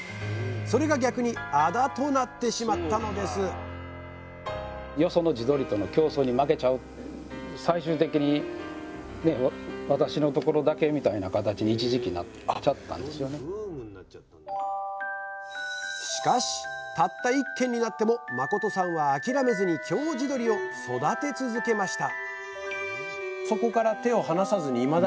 それが逆にあだとなってしまったのですしかしたった１軒になっても誠さんは諦めずに京地どりを育て続けました